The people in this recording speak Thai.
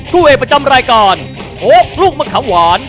ผู้เอกประจำรายการโพกลูกมะขามหวาน